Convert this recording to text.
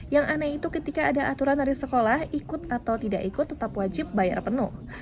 yang aneh itu ketika ada aturan dari sekolah ikut atau tidak ikut tetap wajib bayar penuh